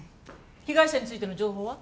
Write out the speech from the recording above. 被害者についての情報は？